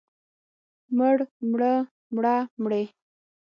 مړ، مړه، مړه، مړې.